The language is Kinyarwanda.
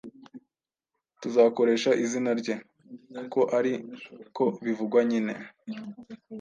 tuzakoresha izina rye, kuko ari ko bivugwa nyine.